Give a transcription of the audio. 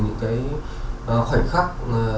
những khoảnh khắc